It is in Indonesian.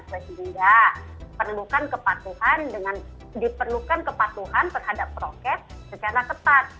sehingga diperlukan kepatuhan terhadap prokes secara tepat